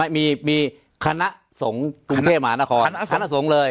มีคณะสงฆ์กรุงเทพมหานครคณะสงฆ์เลย